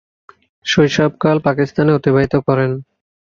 শৈশবকাল পাকিস্তানে অতিবাহিত করেন।